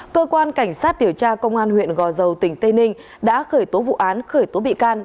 cơ quan cảnh sát điều tra công an huyện gò dầu tỉnh tây ninh đã khởi tố vụ án khởi tố bị can